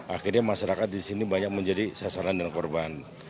akhirnya masyarakat di sini banyak menjadi sasaran dengan korban